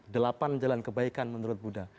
delapan jalan kebaikan menurut buddha